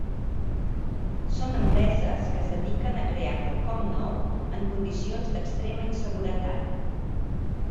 Són empreses que es dediquen a crear quelcom nou en condicions d'extrema inseguretat.